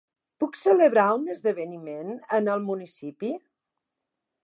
Puc celebrar un esdeveniment en el municipi?